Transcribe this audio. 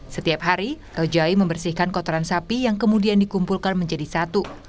setiap hari taujai membersihkan kotoran sapi yang kemudian dikumpulkan menjadi satu